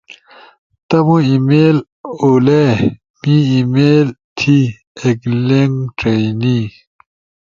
تمو ای میل اُولے، می ای میل تھی ایک لنک ڇئینی